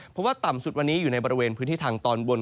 เพราะว่าต่ำสุดวันนี้อยู่ในบริเวณพื้นที่ทางตอนบน